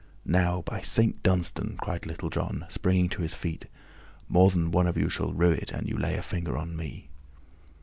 "Now by Saint Dunstan," cried Little John, springing to his feet, "more than one of you shall rue it an you lay finger upon me."